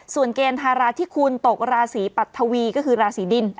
ส่วนเกณฑ์ธาราที่คุณตกราศีปัททวีก็คือราศีดิน